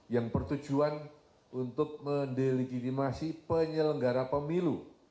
yang bertujuan untuk mendelegitimasi penyelenggara pemilu